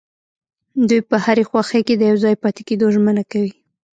دوی په هرې خوښۍ کې د يوځای پاتې کيدو ژمنه کوي.